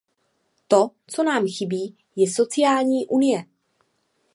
To, co nám chybí, je sociální unie.